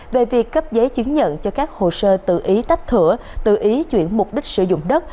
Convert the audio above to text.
về việc cấp giấy chứng nhận cho các hồ sơ tự ý tách thửa tự ý chuyển mục đích sử dụng đất